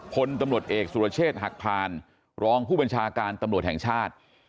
พลตำรวจเอกสุรเชษฐ์หักพานรองผู้บัญชาการตำรวจแห่งชาติ